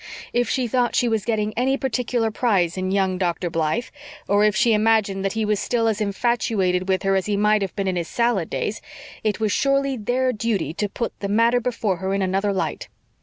If she thought she was getting any particular prize in young Dr. Blythe, or if she imagined that he was still as infatuated with her as he might have been in his salad days, it was surely their duty to put the matter before her in another light.